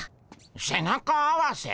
背中合わせ？